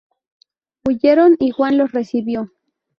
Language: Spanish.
Huyeron y Juan los recibió.